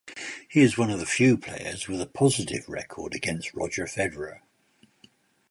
He is one of few players with a positive record against Roger Federer.